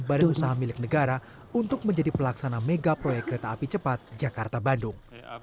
badan usaha milik negara untuk menjadi pelaksana mega proyek kereta api cepat jakarta bandung